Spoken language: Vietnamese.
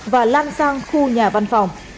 và lan sang khu nhà văn phòng